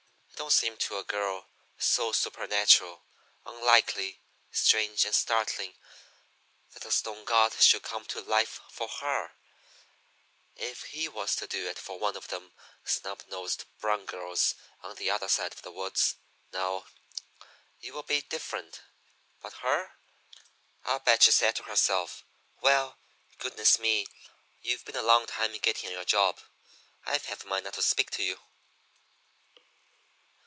It don't seem to a girl so supernatural, unlikely, strange, and startling that a stone god should come to life for her. If he was to do it for one of them snub nosed brown girls on the other side of the woods, now, it would be different but her! I'll bet she said to herself: 'Well, goodness me! you've been a long time getting on your job. I've half a mind not to speak to you.'